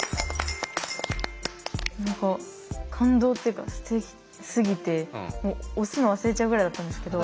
何か感動っていうかすてきすぎて押すの忘れちゃうぐらいだったんですけど。